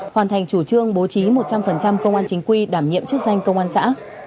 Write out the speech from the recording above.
hoàn thành chủ trương bố trí một trăm linh công an chính quy đảm nhiệm chức danh công an xã